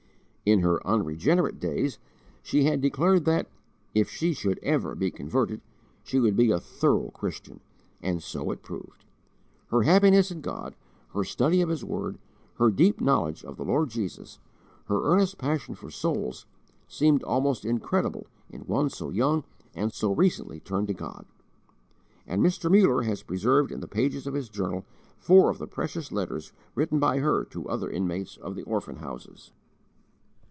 In her unregenerate days she had declared that, if she should ever be converted, she would be "a thorough Christian," and so it proved. Her happiness in God, her study of His word, her deep knowledge of the Lord Jesus, her earnest passion for souls, seemed almost incredible in one so young and so recently turned to God. And Mr. Muller has preserved in the pages of his Journal four of the precious letters written by her to other inmates of the orphan houses.